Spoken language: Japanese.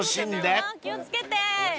気を付けて。